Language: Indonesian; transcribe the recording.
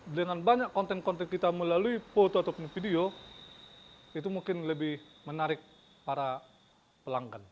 dengan banyak konten konten kita melalui foto ataupun video itu mungkin lebih menarik para pelanggan